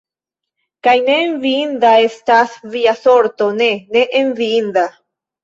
Kaj ne enviinda estas via sorto, ne, ne enviinda!